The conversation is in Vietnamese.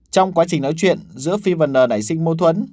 trong quá trình nói chuyện giữa phi và n đẩy sinh mâu thuẫn